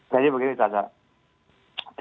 jadi begini tata